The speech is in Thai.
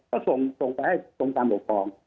ก็ส่งไปให้กรมการปกครอง